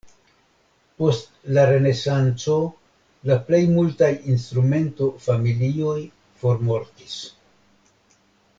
Post la renesanco la plej multaj instrumento-familioj formortis.